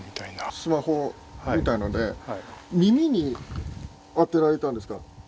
スマホみたいなので、耳に当てられたんですか？